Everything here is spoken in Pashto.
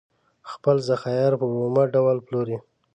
خپل ذخایر په اومه ډول پلوري.